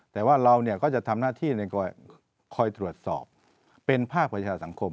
แต่ว่าเราก็จะทำหน้าที่ในคอยตรวจสอบเป็นภาคประชาสังคม